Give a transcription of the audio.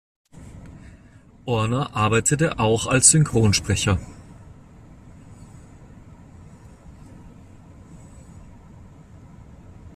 Ohrner arbeitete auch als Synchronsprecher.